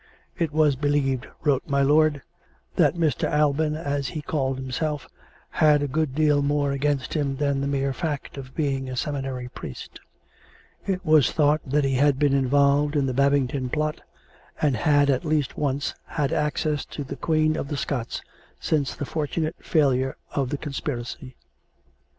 It was believed, wrote my lord, that Mr. Alban, as he called himself, had a good deal more against him than the mere fact of being a seminary priest: it was thought that he had been involved in the Babington plot, and had at least once had access to the Queen of the Scots since the fortunate failure of the conspiracy.